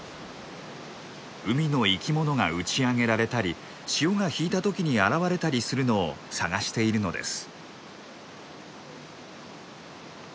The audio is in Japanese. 海の生き物が打ち上げられたり潮が引いた時に現れたりするのを探しているのです。